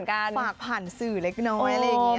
มีการแบบฝากผ่านสื่อเล็กน้อยอะไรอย่างนี้